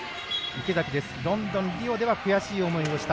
池崎は、ロンドンとリオでは悔しい思いをした。